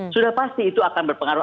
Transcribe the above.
sudah pasti itu akan berpengaruh